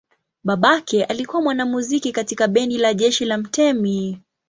Babake alikuwa mwanamuziki katika bendi la jeshi la mtemi.